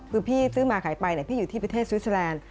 คือพี่ซื้อมาขายไปพี่อยู่ที่ประเทศสวิสเตอร์แลนด์